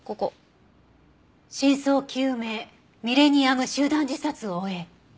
「真相究明ミレニアム集団自殺を追え！」